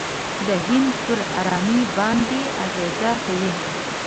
د هند پر آرامۍ باندې اغېزه کوي.